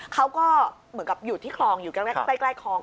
เขาก็เหมือนกับอยู่ที่คลองอยู่ใกล้คลอง